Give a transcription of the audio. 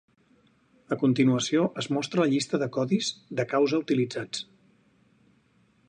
A continuació es mostra la llista de codis de causa utilitzats.